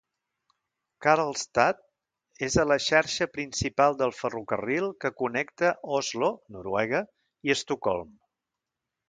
Karlstad és a la xarxa principal del ferrocarril que connecta Oslo, Noruega, i Estocolm.